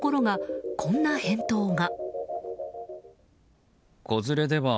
ところが、こんな返答が。